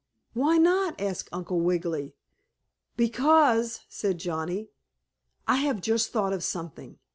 "Why not?" asked Uncle Wiggily. "Because," said Johnnie, "I have just thought of something.